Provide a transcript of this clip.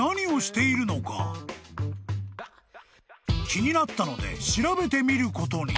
［気になったので調べてみることに］